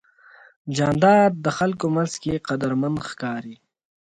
جانداد د خلکو منځ کې قدرمن ښکاري.